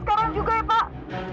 sekarang juga ya pak